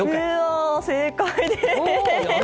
正解です！